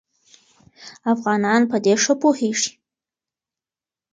افغانان په دې ښه پوهېږي.